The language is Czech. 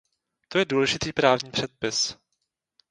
To je důležitý právní předpis.